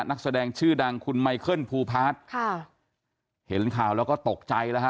นักแสดงชื่อดังคุณไมเคิลภูพาร์ทค่ะเห็นข่าวแล้วก็ตกใจแล้วฮะ